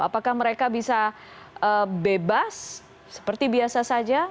apakah mereka bisa bebas seperti biasa saja